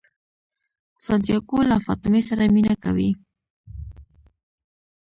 سانتیاګو له فاطمې سره مینه کوي.